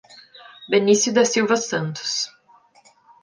Benicio da Silva Santos